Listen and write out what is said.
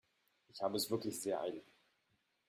Ich habe es wirklich sehr eilig.